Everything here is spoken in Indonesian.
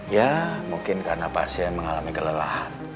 ya mungkin karena pasien mengalami kelelahan